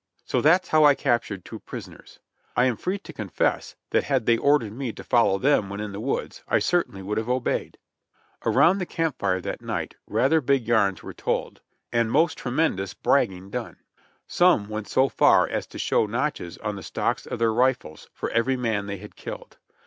So that's how I captured two prisoners. I am free to confess that had they ordered me to follow them when in the woods, I certainly would have obeyed. Around the camp iire that night rather big yarns were told, and most tremendous bragging done. Some went so far as to show notches on the stocks of their rifles for every man they had killed.